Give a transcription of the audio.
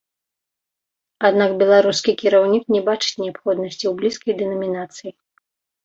Аднак беларускі кіраўнік не бачыць неабходнасці ў блізкай дэнамінацыі.